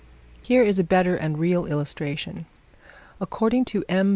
Here is a better and real illustration: According to M.